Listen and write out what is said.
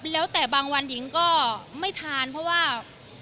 แล้วแต่บางวันหญิงก็ไม่ทานเพราะว่า